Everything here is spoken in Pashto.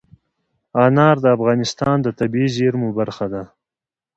انار د افغانستان د طبیعي زیرمو برخه ده.